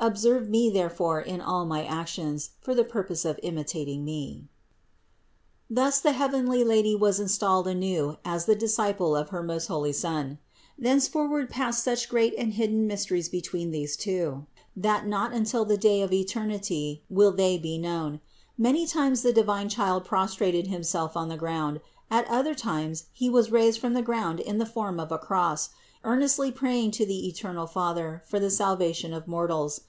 Observe me therefore in all my actions for the purpose of imitat ing Me." 694. Thus the heavenly Lady was installed anew as the Disciple of her most holy Son. Thenceforward passed such great and hidden mysteries between these Two, that not until the day of eternity will they be known. Many 594 CITY OF GOD times the divine Child prostrated Himself on the ground, at others He was raised from the ground in the form of a cross, earnestly praying to the eternal Father for the salvation of mortals.